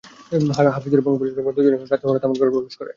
হাফিজুর এবং পুলিশ কর্মকর্তা দুজনই রাতে হঠাৎ আমার ঘরে প্রবেশ করে।